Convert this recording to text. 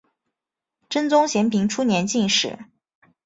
真宗咸平初年进士。